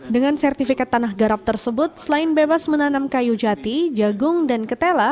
dengan sertifikat tanah garap tersebut selain bebas menanam kayu jati jagung dan ketela